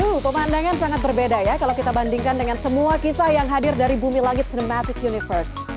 hmm pemandangan sangat berbeda ya kalau kita bandingkan dengan semua kisah yang hadir dari bumi langit cinematic universe